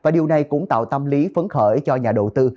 và điều này cũng tạo tâm lý phấn khởi cho nhà đầu tư